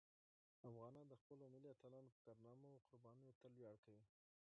افغانان د خپلو ملي اتلانو په کارنامو او قربانیو تل ویاړ کوي.